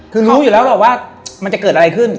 คือรู้อยู่แล้วหรอกว่ามันจะเกิดอะไรขึ้น